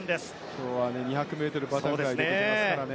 今日は２００ｍバタフライで出てきますから。